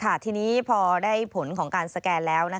ทีนี้พอได้ผลของการสแกนแล้ว